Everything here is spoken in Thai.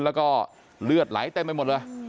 แล้วก็เลือดไหลเต็มไปหมดเลย